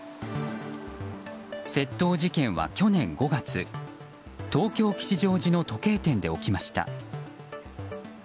窃盗事件は去年５月東京・吉祥寺の時計店で起きました。